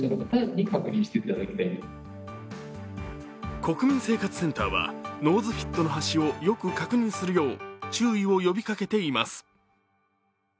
国民生活センターはノーズフィットの端をよく確認するよう注意を呼びかけています。